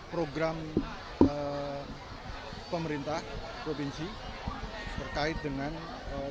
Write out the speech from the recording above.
program pemerintah provinsi terkait dengan